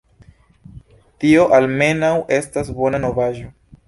Tio almenaŭ estas bona novaĵo.